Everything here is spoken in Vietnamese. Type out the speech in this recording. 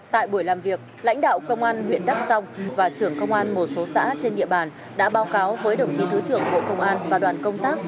tại buổi làm việc lãnh đạo công an huyện đắk song và trưởng công an một số xã trên địa bàn đã báo cáo với đồng chí thứ trưởng bộ công an và đoàn công tác